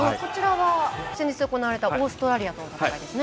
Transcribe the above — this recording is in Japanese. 先日行われたオーストラリアとの戦いですね。